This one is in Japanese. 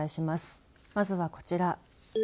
まずはこちら。